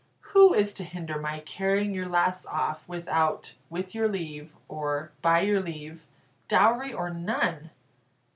Who is to hinder my carrying your lass off, without 'with your leave' or 'by your leave,' dowry or none?"